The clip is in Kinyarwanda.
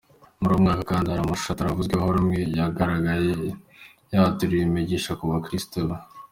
Muri uwo mwaka kandi hari amashusho ataravuzweho rumwe. Yagaragaye yaturira imigisha ku bakiristo be.